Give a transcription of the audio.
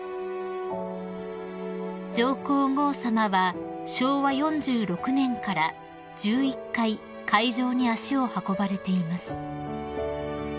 ［上皇后さまは昭和４６年から１１回会場に足を運ばれています］